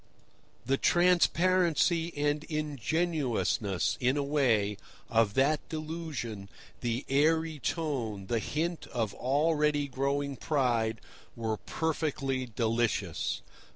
The transparency and ingenuousness, in a way, of that delusion, the airy tone, the hint of already growing pride, were perfectly delicious.